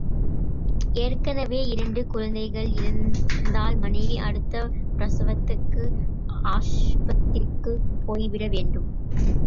ஏற்கனவே இரண்டு குழந்தைகள் இருந்தால் மனைவி அடுத்த பிரசவத்துக்கு ஆஸ்பத்திரிக்குப் போய்விட வேண்டும்.